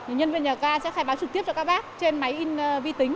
nhân viên nhà ga sẽ khai báo trực tiếp cho các bác trên máy in vi tính